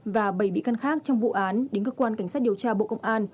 và bảy bị can khác trong vụ án đến cơ quan cảnh sát điều tra bộ công an